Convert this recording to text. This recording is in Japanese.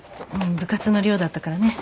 部活の寮だったからね。